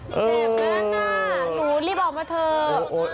เจ็บเยอะนะอุ้ยรีบออกมาเถอะ